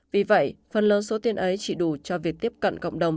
vì vậy phần lớn số tiền ấy chỉ đủ cho việc tiếp cận cộng đồng